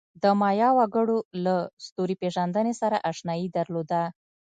د مایا وګړو له ستوري پېژندنې سره آشنایي درلوده.